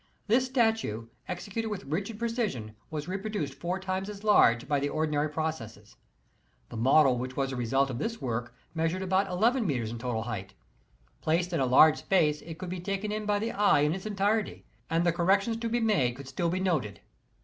This statue, executed with rigid precision, was reproduced four times as large by the ordinary processes. The model which was the result of this work measured about it metres in total height. Placed in a large space it could be taken in by the eye in its entirety, and the corrections to be made could still be noted.